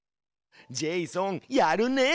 ジェイソンやるね。